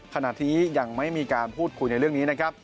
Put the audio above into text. ขณะนี้ยังไม่มีการพูดคุยในเรื่องนี้นะครับ